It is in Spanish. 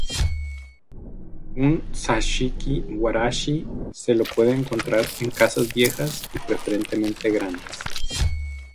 Un Zashiki-warashi se lo puede encontrar en casas viejas y preferentemente grandes.